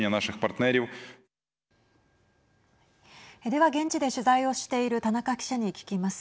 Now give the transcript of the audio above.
では、現地で取材をしている田中記者に聞きます。